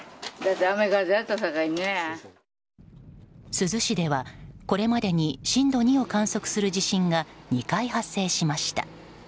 珠洲市ではこれまでに震度２を観測する地震が２回発生しました。